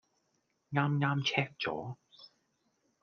啱啱 check 咗